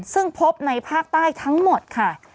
ซึ่งพบในภาคใต้ทั้งหมดค่ะ